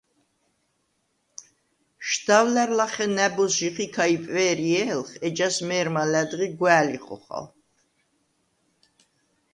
შდავლა̈რ ლახე ნა̈ბოზს ჟიხიქა იპვე̄რჲე̄ლხ, ეჯას მე̄რმა ლა̈დღი გვა̄̈ლი ხოხალ.